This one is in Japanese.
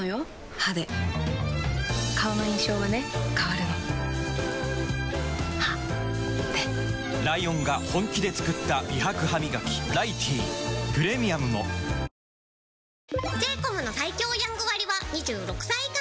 歯で顔の印象はね変わるの歯でライオンが本気で作った美白ハミガキ「ライティー」プレミアムも千葉県の方。